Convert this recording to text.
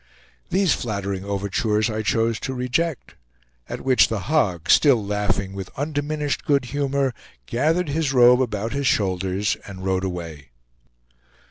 These flattering overtures I chose to reject; at which The Hog, still laughing with undiminished good humor, gathered his robe about his shoulders, and rode away.